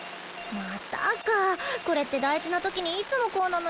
またかこれって大事な時にいつもこうなのよね。